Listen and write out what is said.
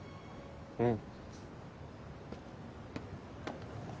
うん。